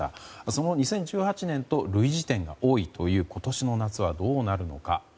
その２０１８年と類似点が多いという今年の夏はどうなるのか。